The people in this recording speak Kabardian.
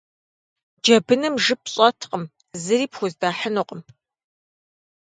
Джэбыным жып щӏэткъым, зыри пхуздэхьынукъым.